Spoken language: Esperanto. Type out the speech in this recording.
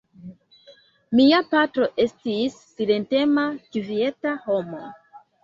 Mia patro estis silentema kvieta homo.